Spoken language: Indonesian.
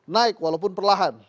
naik walaupun perlahan